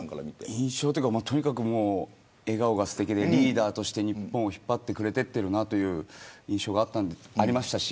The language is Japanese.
印象というかとにかく笑顔がすてきでリーダーとして日本を引っ張ってくれている印象がありました。